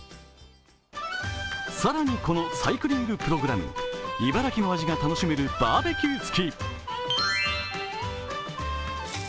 更にこのサイクリングプログラム、茨城の味が楽しめるバーベキューつき。